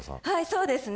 そうですね。